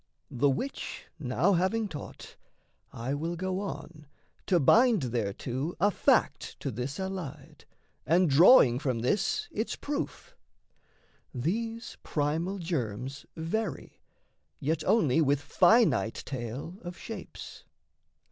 The which now having taught, I will go on To bind thereto a fact to this allied And drawing from this its proof: these primal germs Vary, yet only with finite tale of shapes.